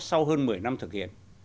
sau hơn một mươi năm thực hiện